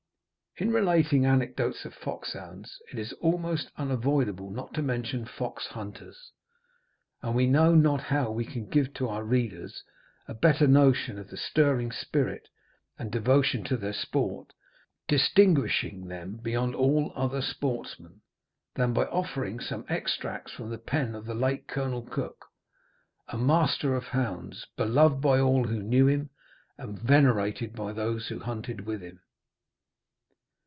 In relating anecdotes of foxhounds it is almost unavoidable not to mention fox hunters, and we know not how we can give to our readers a better notion of the stirring spirit and devotion to their sport, distinguishing them beyond all other sportsmen, than by offering some extracts from the pen of the late Colonel Cook, a master of hounds, beloved by all who knew him, and venerated by those who hunted with him.